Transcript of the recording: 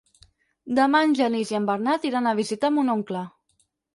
Demà en Genís i en Bernat iran a visitar mon oncle.